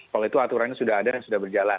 kalau itu aturannya sudah ada dan sudah berjalan